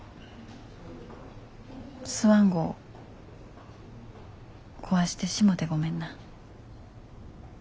スワン号壊してしもてごめんな。